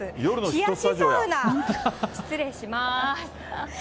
冷やしサウナ、失礼します。